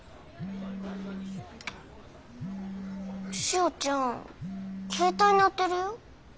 しおちゃん携帯鳴ってるよ。